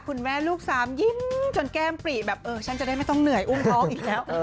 คุณแม่ลูกสามยิ้มจนแก้มปรีแบบเออฉันจะได้ไม่ต้องเหนื่อยอุ้มท้องอีกแล้ว